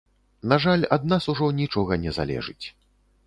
На жаль, ад нас ужо нічога не залежыць.